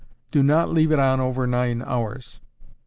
Do not leave it on over nine hours.